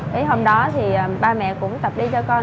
thế hôm đó thì ba mẹ cũng tập đi cho con